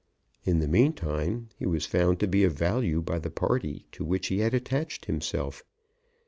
In the meantime he was found to be of value by the party to which he had attached himself.